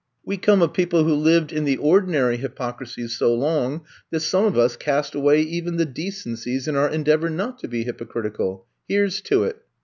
We come of people who lived in the ordinary hypocrisies so long that some of us cast away even the decencies in our en deavor not to be hypocritical. Here 's to it.